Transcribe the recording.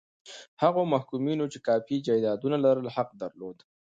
هغو محکومینو چې کافي جایدادونه لرل حق درلود.